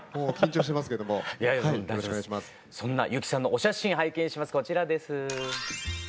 そんな友貴さんのお写真拝見します。